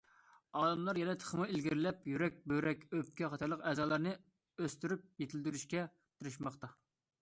ئالىملار يەنە تېخىمۇ ئىلگىرىلەپ يۈرەك، بۆرەك، ئۆپكە قاتارلىق ئەزالارنى ئۆستۈرۈپ يېتىلدۈرۈشكە تىرىشماقتا.